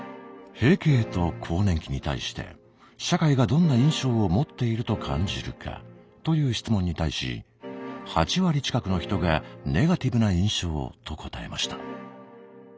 「閉経と更年期に対して社会がどんな印象を持っていると感じるか」という質問に対し８割近くの人が「ネガティブな印象」と答えました。